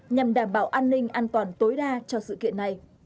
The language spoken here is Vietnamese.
nhằm đảm bảo an ninh an toàn tối đa cho sự kiện này